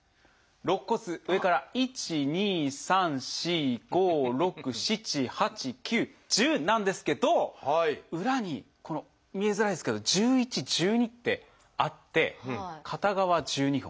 肋骨上から１２３４５６７８９１０なんですけど裏にこの見えづらいですけど１１１２ってあって片側１２本。